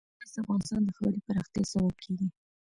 ګاز د افغانستان د ښاري پراختیا سبب کېږي.